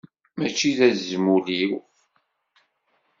Mačči d azmul-iw.